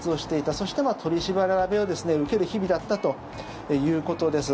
そして、取り調べを受ける日々だったということです。